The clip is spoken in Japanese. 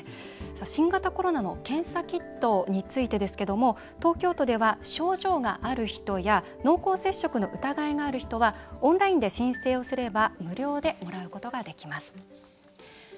新型コロナの検査キットについてですけども東京都では症状がある人や濃厚接触の疑いがある人はオンラインで申請すれば無料でもらうことができます。